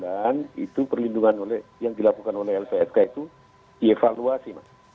dan itu perlindungan yang dilakukan oleh lpsk itu dievaluasi